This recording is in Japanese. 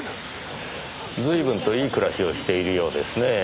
随分といい暮らしをしているようですねぇ。